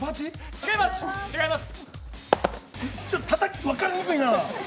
違います。